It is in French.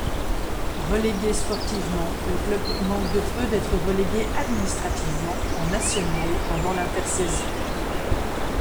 Relégué sportivement, le club manque de peu d'être relégué administrativement en National pendant l'intersaison.